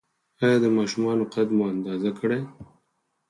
ایا د ماشومانو قد مو اندازه کړی؟